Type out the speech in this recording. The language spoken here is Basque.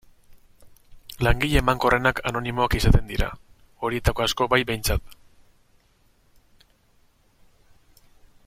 Langile emankorrenak anonimoak izaten dira, horietako asko bai behintzat.